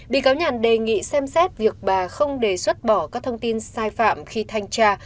bị cáo nhàn đề nghị xem xét việc bà không đề xuất bỏ các thông tin sai phạm khi thanh tra